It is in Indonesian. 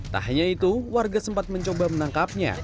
tak hanya itu warga sempat mencoba menangkapnya